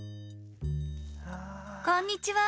こんにちは！